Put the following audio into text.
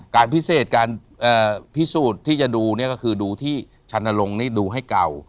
การพิเศษการพิสูจน์ที่จะดูเนี่ยก็คือดูที่ชันลงนี่ดูให้เก่า